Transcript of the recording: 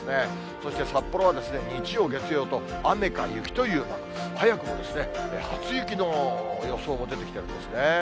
そして札幌は日曜、月曜と、雨か雪という、早くも初雪の予想も出てきてるんですね。